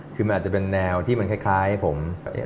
คือมันอาจจะเป็นแนวที่มันคล้ายผม